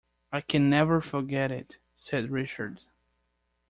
"I can never forget it," said Richard.